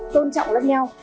tôn trọng lẫn nhau